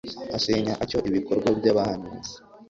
asenya atyo ibikorwa by'abahanuzi